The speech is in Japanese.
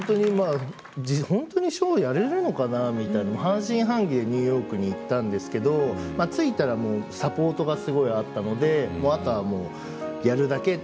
本当にショーがやれるのかな？と半信半疑でニューヨークに行ったんですけれども着いたらサポートがすごくあったのであとはやるだけで。